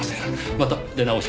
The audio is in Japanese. また出直します。